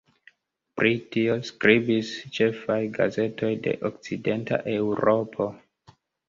Pri tio skribis ĉefaj gazetoj de okcidenta Eŭropo.